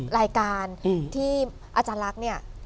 รายการที่อาจารย์ลักษณ์เนี่ย